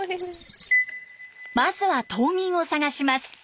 まずは島民を探します。